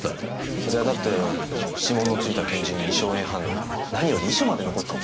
そりゃだって指紋の付いた拳銃に硝煙反応何より遺書まで残ってたんですから。